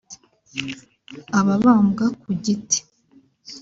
ababambwa ku giti